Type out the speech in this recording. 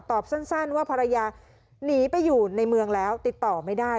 สั้นว่าภรรยาหนีไปอยู่ในเมืองแล้วติดต่อไม่ได้